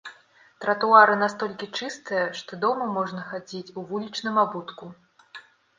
Тратуары настолькі чыстыя, што дома можна хадзіць у вулічным абутку.